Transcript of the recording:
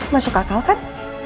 masuk akal kan